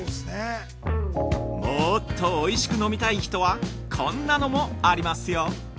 もっとおいしく飲みたい人はこんなのもありますよ。